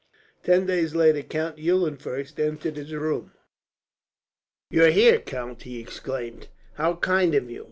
Ten days later Count Eulenfurst entered his room. "You here, count!" he exclaimed. "How kind of you!